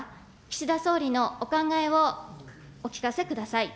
岸田総理のお考えをお聞かせください。